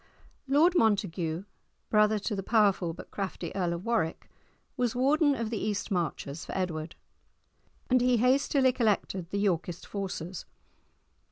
Lord Montague, brother to the powerful but crafty Earl of Warwick, was warden of the East Marches for Edward, and he hastily collected the Yorkist forces.